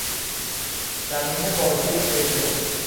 زمین بازی کریکت